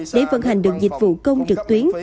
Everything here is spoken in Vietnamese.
để vận hành được dịch vụ công trực tuyến